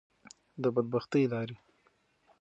د بدبختی لارې.